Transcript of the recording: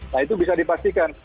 nah itu bisa dipastikan